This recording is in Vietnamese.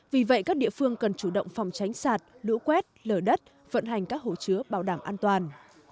vì vậy các địa phương cần chủ động phòng tránh sạt đũa quét lở đất vận hành các hỗ trứ bảo đảm an toàn